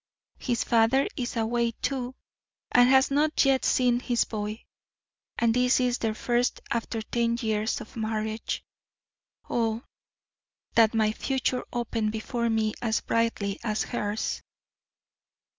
His father is away, too, and has not yet seen his boy; and this is their first after ten years of marriage. Oh, that my future opened before me as brightly as hers!